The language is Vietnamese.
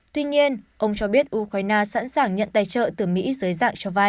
tuy nhiên ông cho biết ukraine sẵn sàng nhận tài trợ từ mỹ dưới dạng cho vai